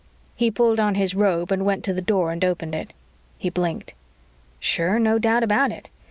He pulled on his robe and went to the door and opened it. He blinked. Sure, no doubt about it.